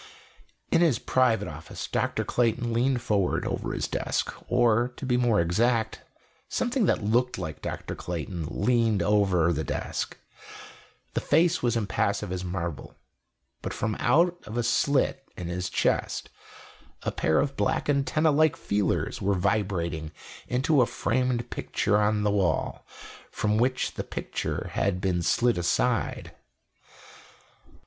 In his private office, Dr. Clayton leaned forward over his desk. Or, to be more exact, something that looked like Dr. Clayton leaned over the desk. The face was impassive as marble, but, from out a slit in his chest, a pair of black antennae like feelers were vibrating into a framed picture on the wall, from which the picture had been slid aside.